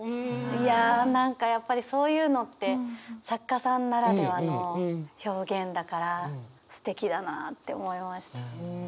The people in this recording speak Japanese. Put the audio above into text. いや何かやっぱりそういうのって作家さんならではの表現だからすてきだなって思いました。